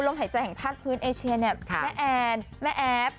กดอย่างวัยจริงเห็นพี่แอนทองผสมเจ้าหญิงแห่งโมงการบันเทิงไทยวัยที่สุดค่ะ